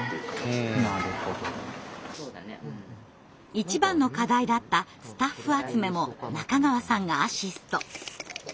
一番の課題だったスタッフ集めも中川さんがアシスト。